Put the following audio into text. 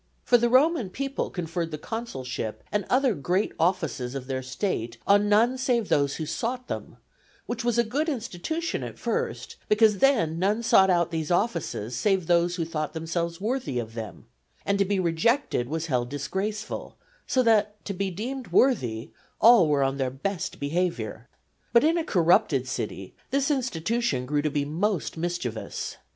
For the Roman people conferred the consulship and other great offices of their State on none save those who sought them; which was a good institution at first, because then none sought these offices save those who thought themselves worthy of them, and to be rejected was held disgraceful; so that, to be deemed worthy, all were on their best behaviour. But in a corrupted city this institution grew to be most mischievous.